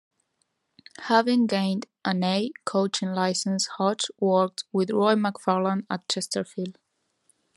Having gained an A coaching licence Hodge worked with Roy McFarland at Chesterfield.